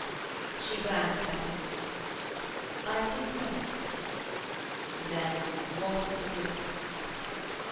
She glanced at him. "I think not." "Then what is the difference?"